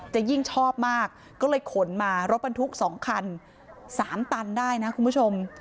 จะยิ่งชอบมากก็เลยขนมารถบรรทุก๒คัน๓ตันได้นะคุณผู้ชม